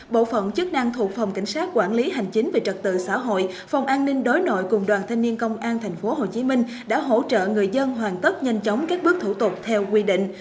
bộ phận chức năng thuộc phòng cảnh sát quản lý hành chính về trật tự xã hội phòng an ninh đối nội cùng đoàn thanh niên công an tp hcm đã hỗ trợ người dân hoàn tất nhanh chóng các bước thủ tục theo quy định